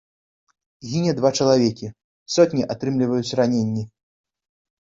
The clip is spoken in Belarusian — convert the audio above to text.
Гіне два чалавекі, сотні атрымліваюць раненні.